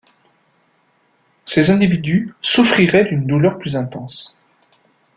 Ces individus souffriraient d'une douleur plus intense.